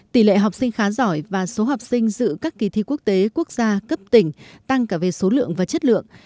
tỷ lệ học sinh khá giỏi và số học sinh giữ các kỳ thi quốc tế quốc gia cấp tỉnh tăng cả về số lượng và chất lượng